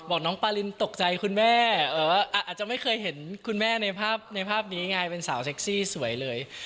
น้องปารินตกใจคุณแม่อาจจะไม่เคยเห็นคุณแม่ในภาพนี้ไงเป็นสาวเซ็กซี่สวยเลย